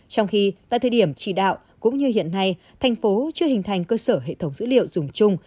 trong khi tại thời điểm chỉ đạo cũng như hiện nay thành phố chưa hình thành cơ sở hệ thống dữ liệu dùng chung